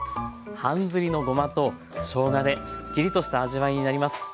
半ずりのごまとしょうがですっきりとした味わいになります。